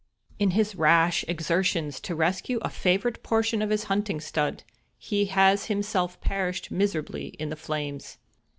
"In his rash exertions to rescue a favorite portion of his hunting stud, he has himself perished miserably in the flames."